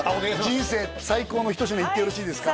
人生最高の一品いってよろしいですか？